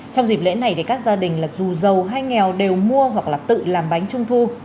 trong dịp lễ này các gia đình dù giàu hay nghèo đều mua hoặc tự làm bánh trung thu